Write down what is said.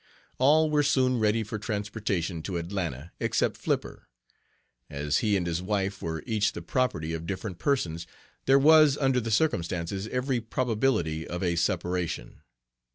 All were soon ready for transportation to Atlanta except "Flipper." As he and his wife were each the property (?) of different persons, there was, under the circumstances, every probability of a separation.